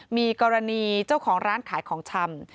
มีกรณีเจ้าของร้านขายของชำ